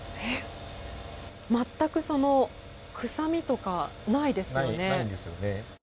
全く臭みとかないですね。